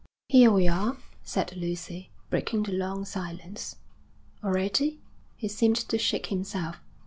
'Here we are,' said Lucy, breaking the long silence. 'Already?' He seemed to shake himself.